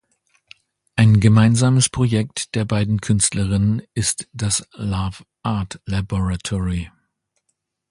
Ein gemeinsames Projekt der beiden Künstlerinnen ist das "Love Art Laboratory".